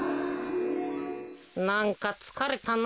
なんかつかれたな。